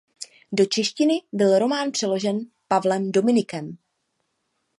Do češtiny byl román přeložen Pavlem Dominikem.